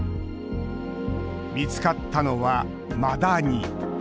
見つかったのはマダニ。